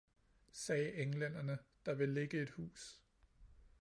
sagde englænderne, der vil ligge et hus!